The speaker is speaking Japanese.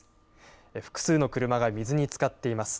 複数の車が水につかっています。